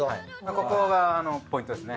ここがポイントですね。